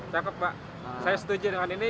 cakep pak saya setuju dengan ini